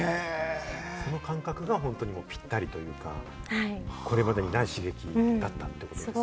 その感覚がぴったりというか、これまでにない刺激だったということですか？